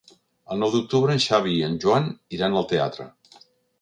El nou d'octubre en Xavi i en Joan iran al teatre.